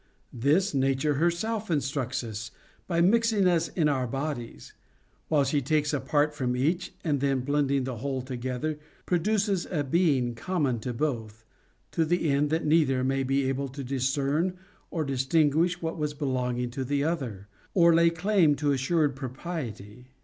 This Nature herself instructs us, by mixing us in our bodies ; while she takes a part from each, and then blending the whole together produces a being common to both, to the end that neither may be able to discern or distinguish what was belonging to another, or lay claim to assured propriety.